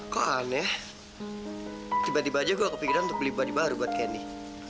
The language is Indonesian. kok aneh tiba tiba aja gue kepikiran untuk beli pribadi baru buat kenny